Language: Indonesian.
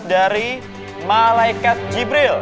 dari malaikat jibril